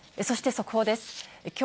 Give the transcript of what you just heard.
そして速報です。